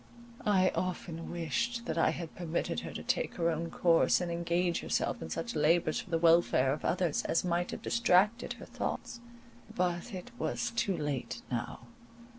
I often wished that I had permitted her to take her own course, and engage herself in such labours for the welfare of others as might have distracted her thoughts. But it was too late now.